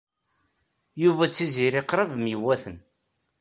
Yuba d Tiziri qrib myewwaten.